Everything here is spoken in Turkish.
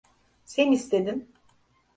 Sen istedin.